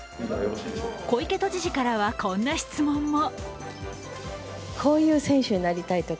小池都知事からはこんな質問も。